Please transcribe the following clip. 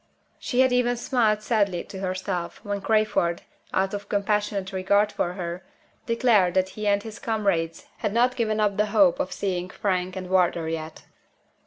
She had even smiled sadly to herself, when Crayford (out of compassionate regard for her) declared that he and his comrades had not given up the hope of seeing Frank and Wardour yet.